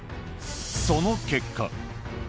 その結果。